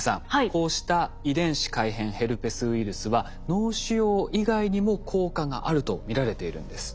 こうした遺伝子改変ヘルペスウイルスは脳腫瘍以外にも効果があると見られているんです。